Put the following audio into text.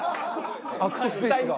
アクトスペースが。